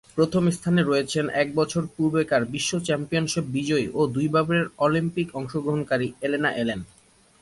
প্রথম স্থানে রয়েছেন এক বছর পূর্বেকার বিশ্ব চ্যাম্পিয়নশিপ বিজয়ী ও দুইবারের অলিম্পিকে অংশগ্রহণকারী এলেনা এলেন।